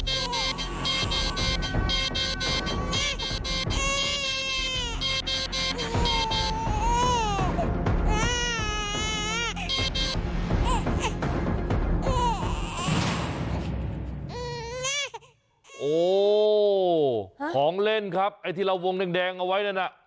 โอ้โหของเล่นครับไอ้ที่เราวงแดงเอาไว้นั่นน่ะ